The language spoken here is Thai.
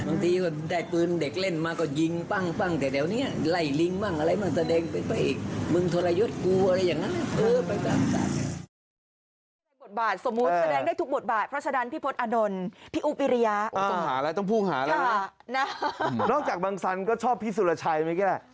บางทีก็ได้ปืนเด็กเล่นมาก็ยิงปั้งแต่เดี๋ยวนี้ไล่ลิงบ้างอะไรมันแสดงเป็นภาคอีก